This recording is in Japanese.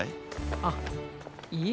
あっいえ。